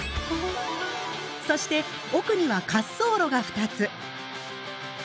そして奥には滑走路が２つ。